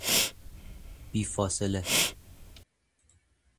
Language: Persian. بی فاصله